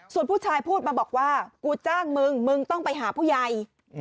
ส่วนผู้ชายพูดมาบอกว่ากูจ้างมึงมึงต้องไปหาผู้ใหญ่